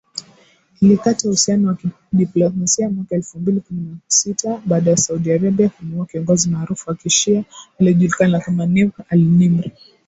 Ilikata uhusiano wa kidiplomasia mwaka elfu mbili kumi na sita , baada ya Saudi Arabia kumuua kiongozi maarufu wa kishia, aliyejulikana kama Nimr al-Nimr